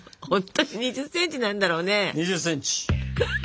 ほんとに２０ｃｍなんだろうね？